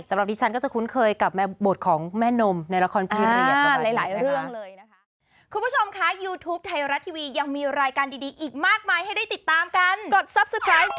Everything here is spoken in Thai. ตรงนี้ฉันก็จะคุ้นเคยกับบทของแม่นมในละครพิเศษ